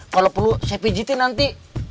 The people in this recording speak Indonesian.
kalau perlu saya pijetin nanti